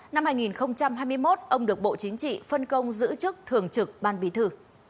năm hai nghìn hai mươi một ông được bộ chính trị phân công giữ chức thường trực ban bí thư